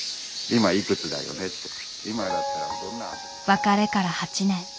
別れから８年。